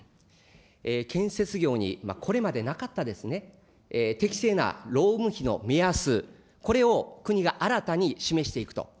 建設業にこれまでなかったですね、適正な労務費の目安、これを国が新たに示していくと。